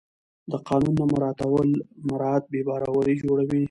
د قانون نه مراعت بې باوري جوړوي